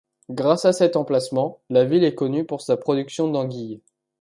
Grâce à cet emplacement, la ville est connue pour sa production d'anguille.